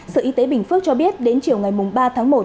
sở y tế bình phước cho biết đến chiều ngày ba tháng một